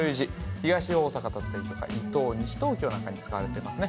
東大阪だったりとか伊東西東京なんかに使われていますね